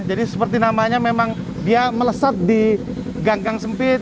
jadi seperti namanya memang dia meleset di ganggang sempit